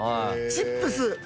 チップス。